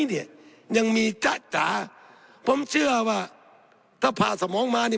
เนี้ยยังมีจ้าพอเชื่อว่าถ้าพาสมองมานี้